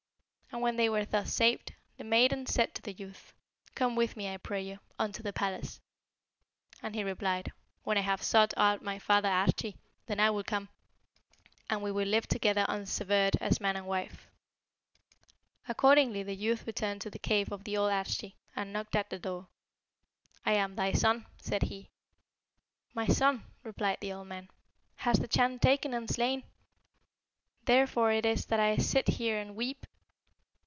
And when they were thus saved, the maiden said to the youth, 'Come with me, I pray you, unto the palace?' and he replied, 'When I have sought out my father Arschi, then will I come, and we will live together unsevered as man and wife.' "Accordingly the youth returned to the cave of the old Arschi, and knocked at the door. 'I am thy son,' said he. 'My son,' replied the old man, 'has the Chan taken and slain; therefore it is that I sit here and weep.'